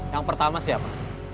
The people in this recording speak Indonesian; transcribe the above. yang pertama siapa